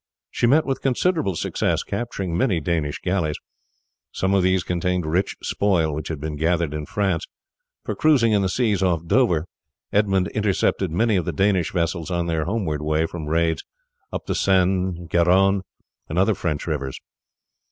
She met with considerable success, capturing many Danish galleys. Some of these contained rich spoil, which had been gathered in France, for cruising in the seas off Dover Edmund intercepted many of the Danish vessels on their homeward way from raids up the Seine, Garonne, and other French rivers.